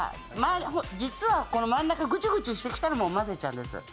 実は真ん中ぐちゅぐちゅしてきたら混ぜちゃうんです。